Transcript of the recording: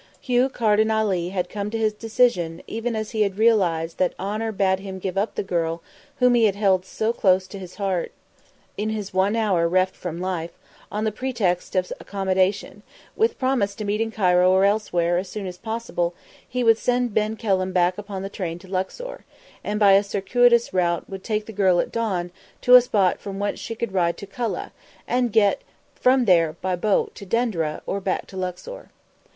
Hugh Carden Ali had come to his decision even as he had realised that honour bade him give up the girl whom he had held so close to his heart in his one hour reft from life; on the pretext of want of accommodation, with promise to meet in Cairo or elsewhere as soon as possible, he would send Ben Kelham back upon the track to Luxor, and by a circuitous route would take the girl at dawn to a spot from whence she could ride to Kulla, and get from there by boat to Denderah or back to Luxor.